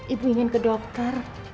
ibu ingin ke dokter